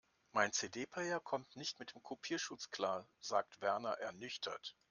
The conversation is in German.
Mein CD-Player kommt nicht mit dem Kopierschutz klar, sagt Werner ernüchtert.